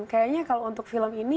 kayaknya kalau untuk film ini